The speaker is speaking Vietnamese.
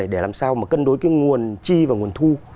để làm sao mà cân đối cái nguồn chi và nguồn thu